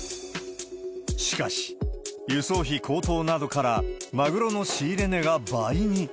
しかし、輸送費高騰などからマグロの仕入れ値が倍に。